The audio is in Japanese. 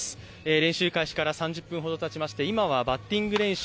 練習開始から３０分ほどたちまして、今はバッティング練習